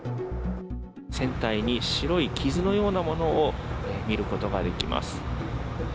船体に白い傷のようなものを見ることができます。